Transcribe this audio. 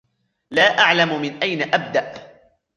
لا أعلم من أين أبدأ